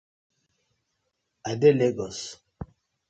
I dey Legos.